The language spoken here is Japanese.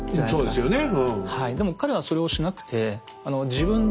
そうですね。